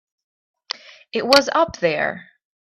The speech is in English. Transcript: It was up there.